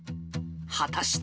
果たして。